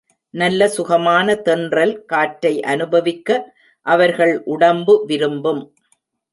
நல்ல சுகமான தென்றல் காற்றை அநுபவிக்க அவர்கள் உடம்பு விரும்பும்.